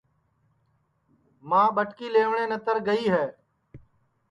ماں ٻٹکی لیوٹؔیں نتر گئی ہے